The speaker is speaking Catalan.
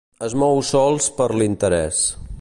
Es mou sols per l'interès.